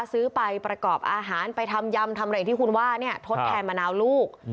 ซื้อไปประกอบอาหารไปทำยำทำอะไรที่คุณว่าเนี่ยทดแทนมะนาวลูก